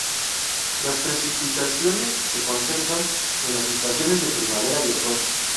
Las precipitaciones se concentran en las estaciones de primavera y otoño.